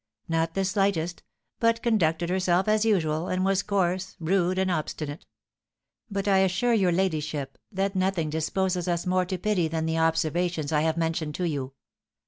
"Not the slightest, but conducted herself as usual, and was coarse, rude, and obstinate; but I assure your ladyship that nothing disposes us more to pity than the observations I have mentioned to you.